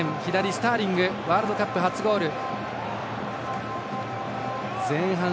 スターリングワールドカップ初ゴール。